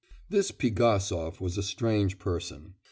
This Pigasov was a strange person.